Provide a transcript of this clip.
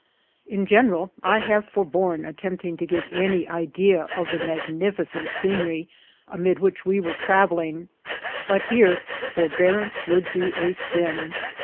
In general I have forborne attempting to give any idea of the magnificent scenery amid which we were travelling, but here for bearance would be a sin.